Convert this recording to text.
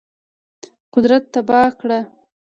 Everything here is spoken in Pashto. قدرت تباه کړ.